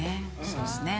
そうですね。